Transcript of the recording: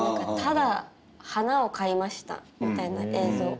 ただ花を買いましたみたいな映像。